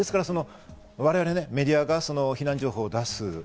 我々メディアが避難情報を出す。